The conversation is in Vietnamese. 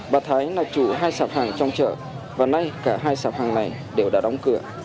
bà thái là chủ hai sạp hàng trong chợ và nay cả hai sạp hàng này đều đã đóng cửa